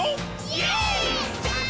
イエーイ！！